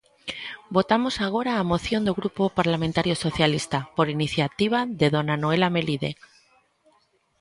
Votamos agora a moción do Grupo Parlamentario Socialista, por iniciativa de dona Noela Melide.